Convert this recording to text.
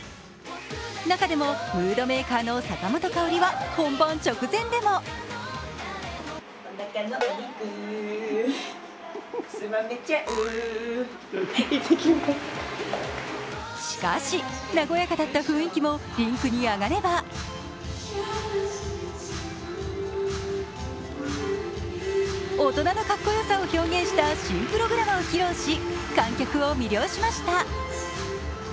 中でもムードメーカーの坂本花織は本番直前でもしかし、和やかだった雰囲気もリンクに上がれば大人のかっこよさを表現した新プログラムを披露し、観客を魅了しました。